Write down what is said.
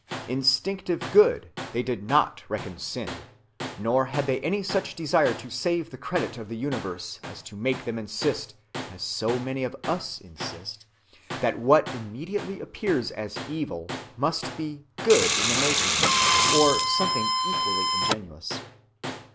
Instinctive good they did not reckon sin; nor had they any such desire to save the credit of the universe as to make them insist, as so many of us insist, that what immediately appears as evil must be "good in the making," or something equally ingenious.